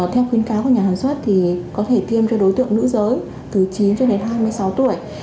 theo khuyến cáo của nhà hàng xuất thì có thể tiêm cho đối tượng nữ giới từ chín cho đến hai mươi sáu tuổi